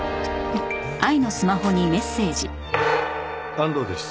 「安藤です」